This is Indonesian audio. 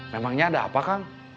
memangnya ada apa kang